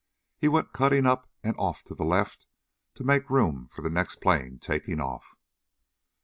He went cutting up and off to the left to make room for the next plane taking off.